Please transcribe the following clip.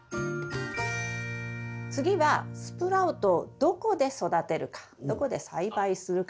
次はスプラウトをどこで育てるかどこで栽培するか。